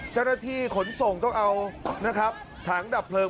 เจ้าหน้าที่ขนส่งต้องเอานะครับถังดับเพลิง